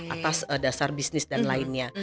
atas dasar bisnis dan lainnya